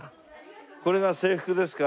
これが制服ですか？